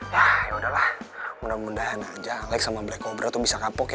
yah yaudahlah mudah mudahan aja alex sama black cobra tuh bisa kapok ya